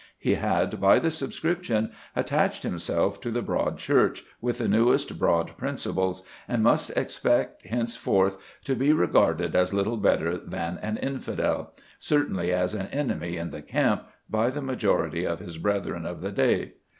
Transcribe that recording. He had, by the subscription, attached himself to the Broad Church with the newest broad principles, and must expect henceforth to be regarded as little better than an infidel, certainly as an enemy in the camp, by the majority of his brethren of the day.